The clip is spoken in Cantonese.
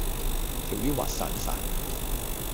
條魚滑潺潺